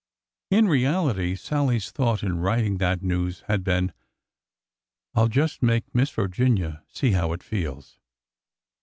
(In reality, Sallie's thought in writing that news had been, " I 'll just make Miss Vir ginia see how it feels!")